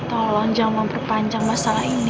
tolong jangan memperpanjang masalah ini